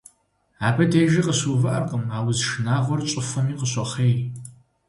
Абы дежи къыщыувыӀэркъым, а уз шынагъуэр щӀыфэми къыщохъей.